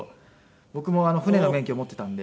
僕も船の免許を持っていたんで。